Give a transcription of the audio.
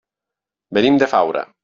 Venim de Faura.